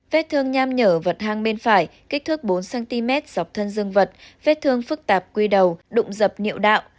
vết thương nham nhở vật hang bên phải kích thước bốn cm dọc thân dương vật vết thương phức tạp quy đầu đụng dập niệu đạo